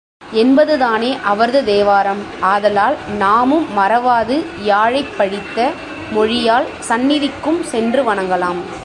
என்பதுதானே அவரது தேவாரம், ஆதலால் நாமும் மறவாது யாழைப் பழித்த மொழியாள் சந்நிதிக்கும் சென்று வணங்கலாம்.